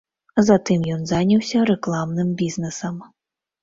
Затым ён заняўся рэкламным бізнесам.